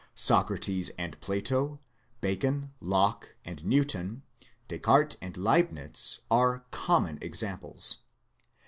Socrates and Plato, Bacon, Locke, and Newton, Descartes and Leibnitz, are common examples.